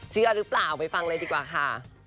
เชื่อหรือเปล่าไปฟังเลยดีกว่าค่ะ